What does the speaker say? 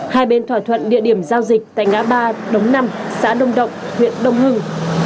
hai bên thỏa thuận địa điểm giao dịch tại ngã ba đống năm xã đông động huyện đông hưng